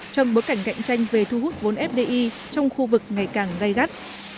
trong bối cảnh cạnh tranh về thu hút vốn fdi trong khu vực ngày càng gây gắt